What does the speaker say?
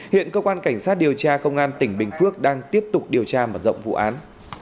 hiện cơ quan cảnh sát điều tra công an tỉnh bình phước đang tiếp tục điều tra mở rộng vụ án